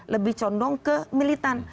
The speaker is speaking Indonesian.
lebih condong ke militan